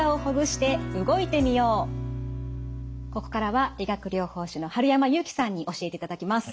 ここからは理学療法士の春山祐樹さんに教えていただきます。